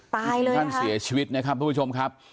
ตายเลยท่านเสียชีวิตนะครับทุกผู้ชมครับ